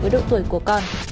phù hợp với độ tuổi của con